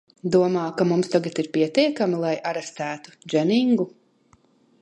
Domā, ka mums tagad ir pietiekami, lai arestētu Dženingu?